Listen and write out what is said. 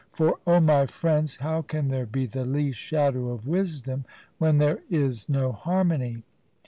For, O my friends, how can there be the least shadow of wisdom when there is no harmony?